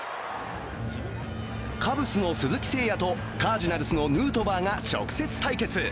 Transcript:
カブスの鈴木誠也とカージナルスのヌートバーが直接対決。